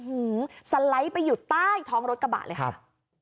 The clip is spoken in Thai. อื้อหือไปอยู่ใต้ท้องรถกระบะเลยค่ะครับ